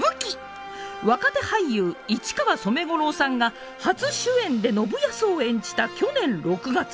若手俳優市川染五郎さんが初主演で信康を演じた去年６月。